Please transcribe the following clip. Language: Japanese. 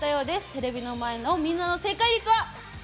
テレビの前のみんなの正解率は。